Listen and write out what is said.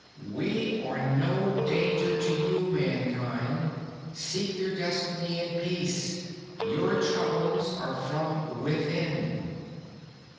_We are no danger to you, mankind. Seek your destiny in peace. Your troubles are from within.